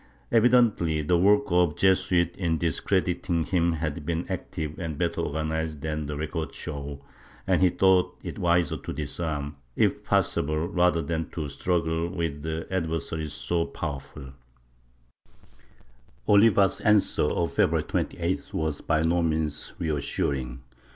Evidently the work of the Jesuits in discrediting him had been active and better organized than the records show^, and he thought it wiser to disarm, if possible, rather than to struggle with adversaries so powerful, diva's 52 MYSTICISM [Book VIII answer of February 28th was by no means reassuring.